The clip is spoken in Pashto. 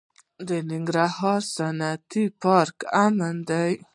د ننګرهار صنعتي پارک امن دی؟